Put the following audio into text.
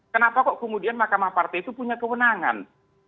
kenapa kok kemudian mahkamah partai itu punya kewenangan